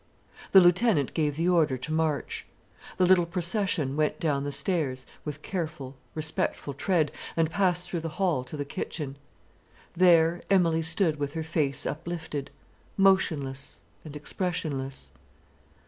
The lieutenant gave the order to march. The little procession went down the stairs with careful, respectful tread, and passed through the hall to the kitchen. There Emilie stood with her face uplifted, motionless and expressionless.